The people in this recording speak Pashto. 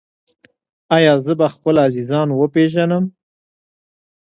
ایا زه به خپل عزیزان وپیژنم؟